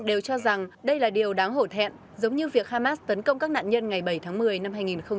đều cho rằng đây là điều đáng hổ thẹn giống như việc hamas tấn công các nạn nhân ngày bảy tháng một mươi năm hai nghìn một mươi chín